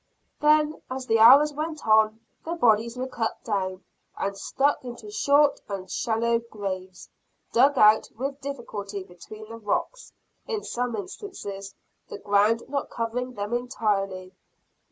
Then, as the hours went on, the bodies were cut down, and stuck into short and shallow graves, dug out with difficulty between the rocks in some instances, the ground not covering them entirely.